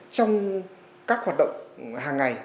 trong các hoạt động hàng ngày